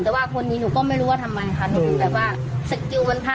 แต่ว่าคนนี้หนูก็ไม่รู้ว่าทำไมค่ะหนูถึงแบบว่าสกิลวันพระ